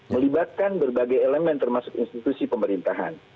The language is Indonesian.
melibatkan berbagai elemen termasuk institusi pemerintahan